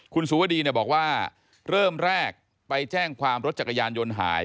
คุณสุวดีเนี่ยบอกว่าเริ่มแรกไปแจ้งความรถจักรยานยนต์หาย